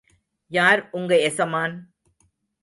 யார் உங்க எசமான்?